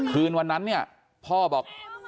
คืนวันนั้นเนี่ยพ่อบอก